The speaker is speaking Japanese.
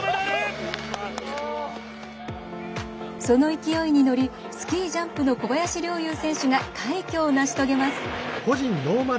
その勢いに乗りスキー・ジャンプの小林陵侑選手が快挙を成し遂げます。